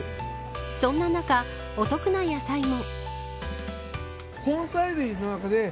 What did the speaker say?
そんな中、お得な野菜も。